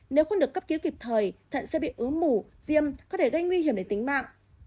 nếu không được cấp cứu kịp thời thận sẽ bị ứ viêm có thể gây nguy hiểm đến tính mạng